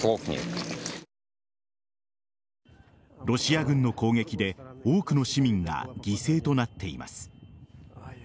ロシア軍の攻撃で多くの市民が犠牲となっています。